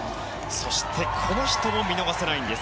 そして、この人も見逃せないんです。